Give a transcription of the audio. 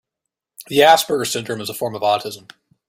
The Asperger syndrome is a form of autism.